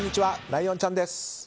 ライオンちゃんです！